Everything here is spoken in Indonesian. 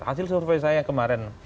hasil survei saya kemarin